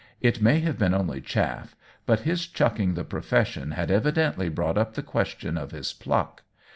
It may have been only chaff, but his chuck ing the profession had evidently brought up the question of his pluck."